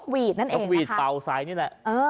วีดคือนกวีดนั่นเอง